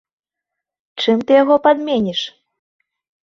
Чым ты яго падменіш?